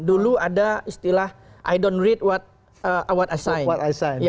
dulu ada istilah i don't read what i sign